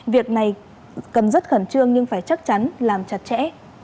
việc này cần rất khẩn trương nhưng phải chắc chắn làm chặt chẽ